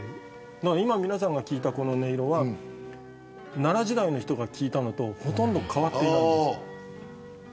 今、皆さんが聴いたこの音色は奈良時代の人が聴いたものとほとんど変わっていないんです。